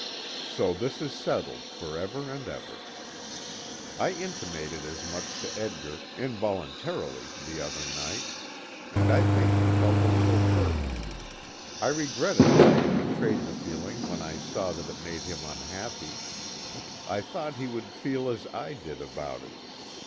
So this is settled for ever and ever. I intimated as much to Edgar, involuntarily, the other night, and I think he felt a little hurt. I regretted that I had betrayed the feeling when I saw that it made him unhappy. I thought he would feel as I did about it.